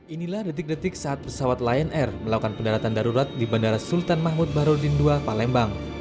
inilah detik detik saat pesawat lion air melakukan pendaratan darurat di bandara sultan mahmud bahrudin ii palembang